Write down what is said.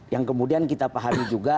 yang kemudian kita pahami juga